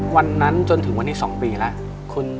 วันนั้นจนถึงวันนี้๒ปีแล้ว